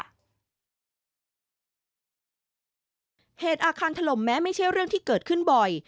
เหตุอาคารถล่มแม้ไม่ใช่เรื่องที่เกิดขึ้นบ่อย